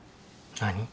何？